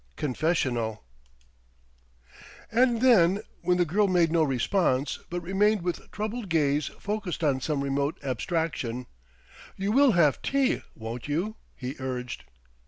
XIII CONFESSIONAL And then, when the girl made no response, but remained with troubled gaze focused on some remote abstraction, "You will have tea, won't you?" he urged.